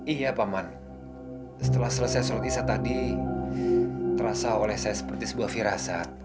iya paman setelah selesai surat isat tadi terasa oleh saya seperti sebuah firasat